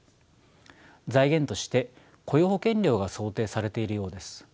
財源として雇用保険料が想定されているようです。